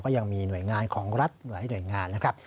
ยังมีหน่วยงานของรัฐหลายหน่วยงานนะครับ